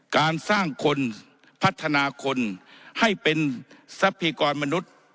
การสร้างคนพัฒนาคนให้เป็นทรัพยากรมนุษย์